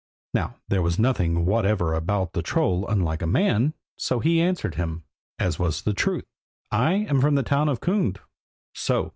Now there was nothing whatever about the troll unlike a man, so he answered him, as was the truth "I am from the town of Kund." "So?"